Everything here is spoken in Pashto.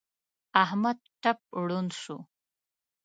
احمد ټپ ړوند شو.